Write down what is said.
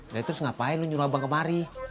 ya terus ngapain lo nyuruh abang kemari